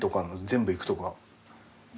全部行くとか。